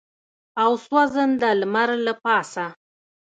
او سوځنده لمر له پاسه.